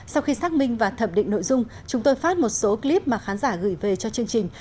sau khi xác minh và thẩm định nội dung chúng tôi phát một số clip mà khán giả gửi về cho chương trình